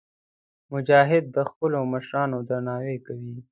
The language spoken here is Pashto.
مجاهد د خپلو مشرانو درناوی کوي.